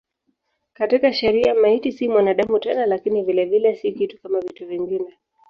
Katika sheria maiti si mwanadamu tena lakini vilevile si kitu kama vitu vingine.